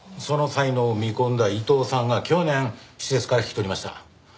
その才能を見込んだ伊藤さんが去年施設から引き取りました。